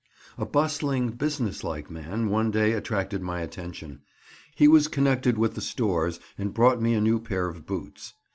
A bustling, business like man, one day attracted my attention. He was connected with the stores, and brought me a new pair of boots.